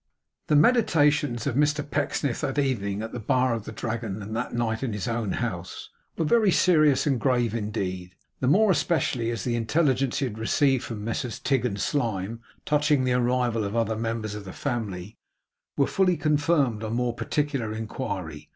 The meditations of Mr Pecksniff that evening at the bar of the Dragon, and that night in his own house, were very serious and grave indeed; the more especially as the intelligence he had received from Messrs Tigg and Slyme touching the arrival of other members of the family, were fully confirmed on more particular inquiry.